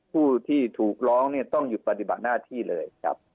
พูดที่ถูกร้องน่ะน่าที่ต้องอยู่กับหน้าที่เลย